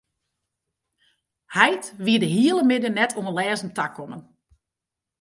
Heit wie de hiele middei net oan lêzen takommen.